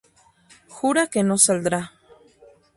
Jura que no saldrá.